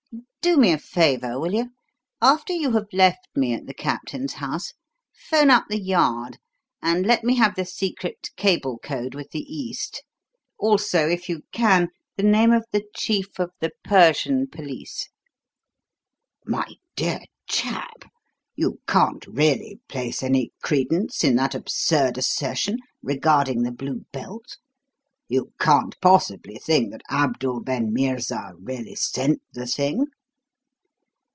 Do me a favour, will you? After you have left me at the Captain's house, 'phone up The Yard, and let me have the secret cable code with the East; also, if you can, the name of the chief of the Persian police." "My dear chap, you can't really place any credence in that absurd assertion regarding the blue belt? You can't possibly think that Abdul ben Meerza really sent the thing?"